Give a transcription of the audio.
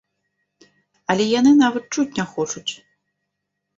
Але яны нават чуць не хочуць!